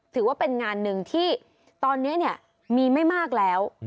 ถือว่าเป็นงานหนึ่งที่ตอนนี้มีไม่มากแล้ว